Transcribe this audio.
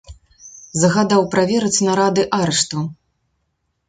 Загадаў праверыць нарады арыштаў.